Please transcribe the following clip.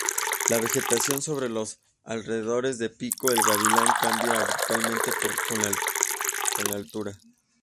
La vegetación sobre los alrededores del Pico El Gavilán cambia abruptamente con la altura.